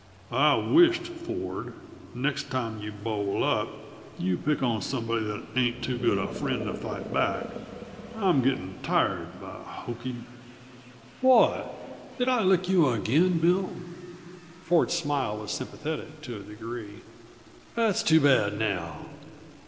"I wisht, Ford, next time you bowl up, you'd pick on somebody that ain't too good a friend to fight back! I'm gittin' tired, by hokey " "What did I lick you again, Bill?" Ford's smile was sympathetic to a degree. "That's too bad, now.